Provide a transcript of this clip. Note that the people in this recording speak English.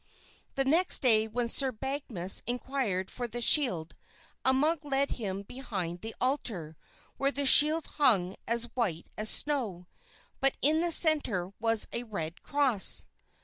The next day when Sir Badgemagus inquired for the shield a monk led him behind the altar, where the shield hung as white as snow, but in the center was a red cross.